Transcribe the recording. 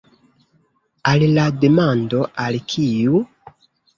Al la demando „al kiu?